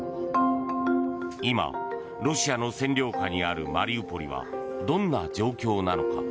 今、ロシアの占領下にあるマリウポリはどんな状況なのか。